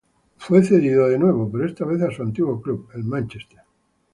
Fue cedido de nuevo, pero esta vez a su antiguo club, el Manchester.